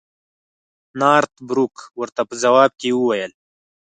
نارت بروک ورته په ځواب کې وویل.